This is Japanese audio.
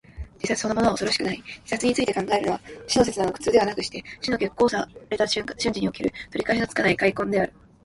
自殺そのものは恐ろしくない。自殺について考えるのは、死の刹那の苦痛ではなくして、死の決行された瞬時における、取り返しのつかない悔恨である。